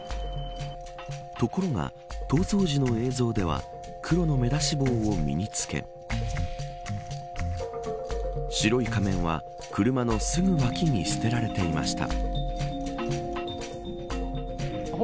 ところが、逃走時の映像では黒の目出し帽を身に着け白い仮面は、車のすぐ脇に捨てられていました。